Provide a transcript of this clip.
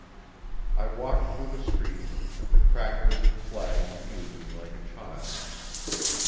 I walked through the streets, and the crackers and flags amused me like a child.